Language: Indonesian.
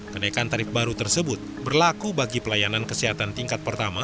kenaikan tarif baru tersebut berlaku bagi pelayanan kesehatan tingkat pertama